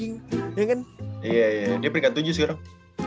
iya kan dia peringkat tujuh sekarang